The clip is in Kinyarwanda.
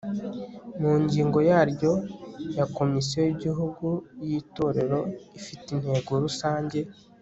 mu ngingo yaryo ya komisiyo y'igihugu y'itorero ifite intego rusange